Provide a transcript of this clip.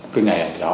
cái ngày là thế đó